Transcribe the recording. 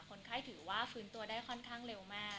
คนไข้ถือว่าฟื้นตัวได้ค่อนข้างเร็วมาก